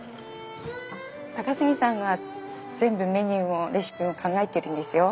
高杉さんが全部メニューもレシピも考えてるんですよ。